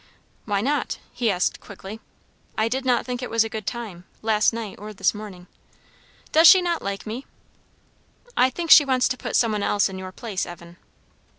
"Why not?" he asked quickly. "I did not think it was a good time, last night or this morning." "Does she not like me?" "I think she wants to put some one else in your place, Evan."